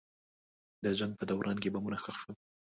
د جنګ په دوران کې بمونه ښخ شول.